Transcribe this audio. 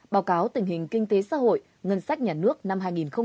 báo cáo tình hình kinh tế xã hội ngân sách nhà nước năm hai nghìn một mươi chín